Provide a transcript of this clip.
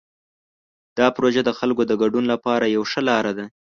دا پروژه د خلکو د ګډون لپاره یوه ښه لاره ده.